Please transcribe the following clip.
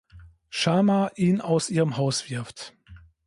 Sharma ihn aus ihrem Haus wirft.